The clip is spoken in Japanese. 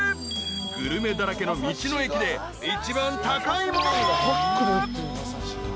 ［グルメだらけの道の駅で一番高いものは］